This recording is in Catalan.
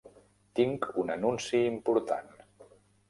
Tinc un anunci important